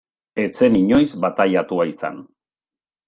Ez zen inoiz bataiatua izan.